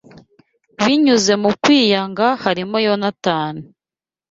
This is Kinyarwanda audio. binyuze mu kwiyanga harimo Yonatani